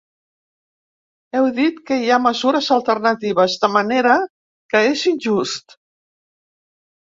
Heu dit que hi ha mesures alternatives, de manera que és injust.